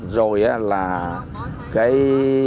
rồi là cái